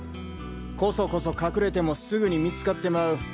コソコソ隠れてもすぐに見つかってまう。